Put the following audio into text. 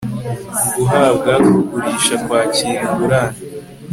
guhabwa kugurisha kwakira ingurane